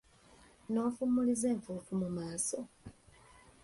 N'onfumuliza enfuufu mu maaso!